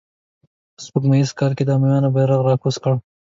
په سپوږمیز کال یې د امویانو بیرغ را کوز کړ.